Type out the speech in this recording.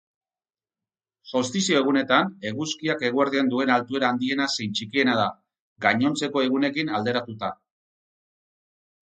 Solstizio egunetan, eguzkiak eguerdian duen altuera handiena zein txikiena da, gainontzeko egunekin alderatuta.